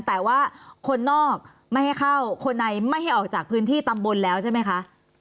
แต่ว่าคนนอกไม่ให้เข้าคนในไม่ให้ออกจากพื้นที่ตำบลแล้วใช่ไหมคะ